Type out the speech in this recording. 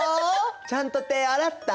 ちゃんと手洗った？